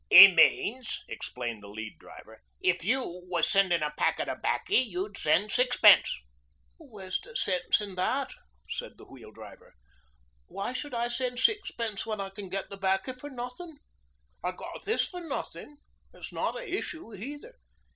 ''E means,' explained the Lead Driver, 'if you was sendin' a packet of 'baccy you'd send sixpence.' 'Where's the sense in that?' said the Wheel Driver. 'Why should I sen' sixpence when I can get this 'baccy for nothin'? I got this for nothin'. It's not a issue neither.